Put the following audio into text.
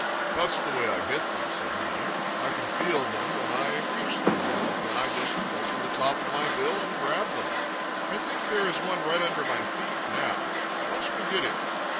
"That's the way I get them," said he. "I can feel them when I reach them, and then I just open the top of my bill and grab them. I think there is one right under my feet now; watch me get him."